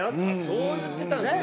そう言ってたんですね。